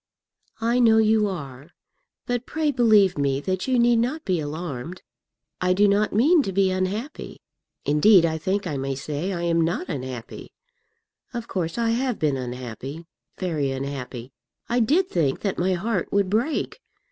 "I know you are; but pray believe me that you need not be alarmed. I do not mean to be unhappy. Indeed, I think I may say I am not unhappy; of course I have been unhappy, very unhappy. I did think that my heart would break.